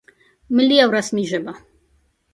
ملي او رسمي ژبه